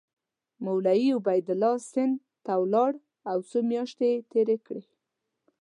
مولوي عبیدالله سند ته ولاړ او څو میاشتې یې تېرې کړې.